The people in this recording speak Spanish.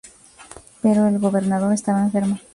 Pero el gobernador estaba enfermo.